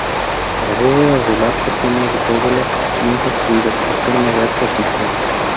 La bóveda del arco tiene dovelas bien construidas, en forma de arco apuntado.